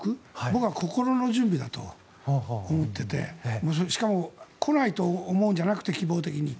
僕は心の準備だと思っていてしかも、来ないと思うんじゃなくて、希望的に。